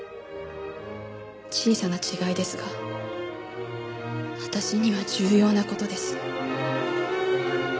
小さな違いですが私には重要な事です。